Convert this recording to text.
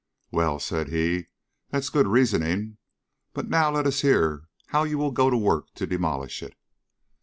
"Well," said he, "that's good reasoning; now let us hear how you will go to work to demolish it."